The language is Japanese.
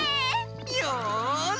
よし！